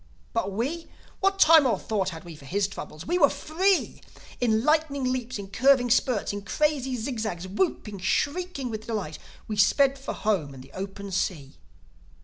"But we?—What time or thought had we for his troubles? We were free! In lightning leaps, in curving spurts, in crazy zig zags—whooping, shrieking with delight, we sped for home and the open sea!